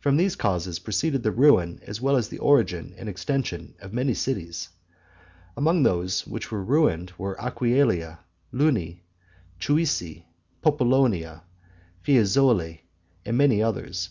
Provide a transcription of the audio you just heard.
From these causes proceeded the ruin as well as the origin and extension of many cities. Among those which were ruined were Aquileia, Luni, Chiusi, Popolonia, Fiesole, and many others.